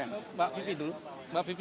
yang i alah